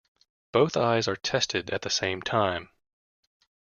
Both eyes are tested at the same time.